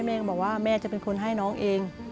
เหมือนแม่ก็บอกว่าแม่เป็นคนให้เลยเอง